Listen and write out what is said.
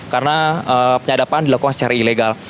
karena penyadapan dilakukan secara ilegal